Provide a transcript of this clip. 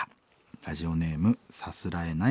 ラジオネームさすらえない魂さん。